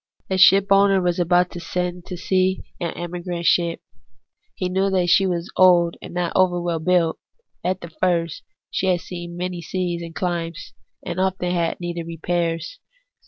A SHiPOwis^ER was about to send to sea an emigrant sliip. He knew that slie was old, and not over well built at the first ; that she had seen many seas and chmes, and often had needed repairs.